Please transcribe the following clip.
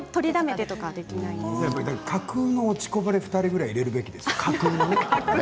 架空の落ちこぼれ２人ぐらい入れるべきですよ。